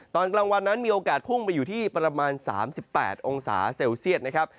ตอนกลางวันนั้นมีโอกาสพุ่งไปอยู่ที่ประมาณ๓๘องศาเซลเซียตนะครับ